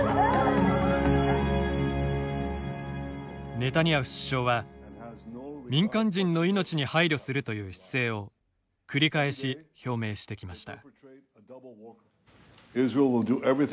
ネタニヤフ首相は、民間人の命に配慮するという姿勢を繰り返し表明してきました。